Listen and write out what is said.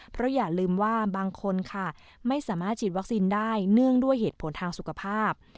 เพราะอย่าลืมว่าบางคนค่ะไม่สามารถฉีดวัคซีนได้เนื่องด้วยเหตุผลทางสุขภาพ